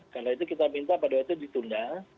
karena itu kita minta pada waktu itu ditunda